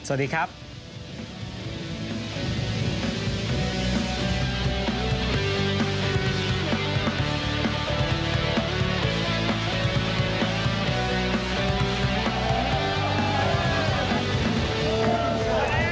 ท่านแรกครับจันทรุ่ม